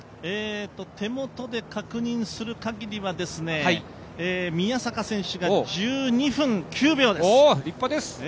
手元で確認するかぎりは宮坂選手が１２分９秒です。